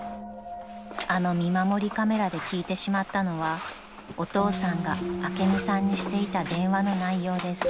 ［あの見守りカメラで聞いてしまったのはお父さんが朱美さんにしていた電話の内容です］